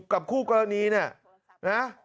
กับคู่กรณีเนี่ย